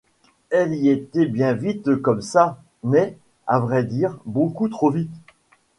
Elle y est bien vite comme ça, mais, à vrai dire, beaucoup trop vite.